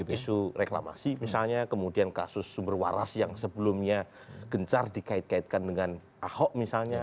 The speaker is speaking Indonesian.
isu reklamasi misalnya kemudian kasus sumber waras yang sebelumnya gencar dikait kaitkan dengan ahok misalnya